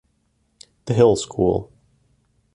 The Hill School.